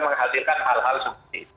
menghasilkan hal hal seperti itu